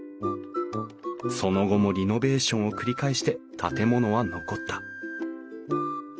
その後もリノベーションを繰り返して建物は残った。